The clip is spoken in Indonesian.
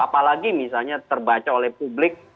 apalagi misalnya terbaca oleh publik